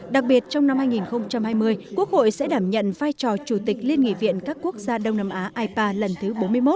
đặc biệt trong năm hai nghìn hai mươi quốc hội sẽ đảm nhận vai trò chủ tịch liên nghị viện các quốc gia đông nam á ipa lần thứ bốn mươi một